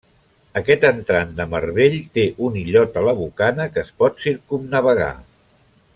Aquest entrant de mar bell té un illot a la bocana que es pot circumnavegar.